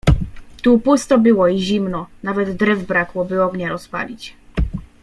"Tu pusto było i zimno, nawet drew brakło, by ognia rozpalić."